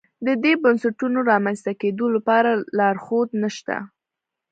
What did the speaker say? د دې بنسټونو رامنځته کېدو لپاره لارښود نه شته.